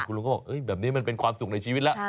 คุณลุงก็บอกแบบนี้มันเป็นความสุขในชีวิตแล้ว